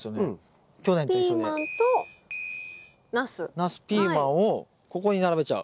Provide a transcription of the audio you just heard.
ナスピーマンをここに並べちゃう。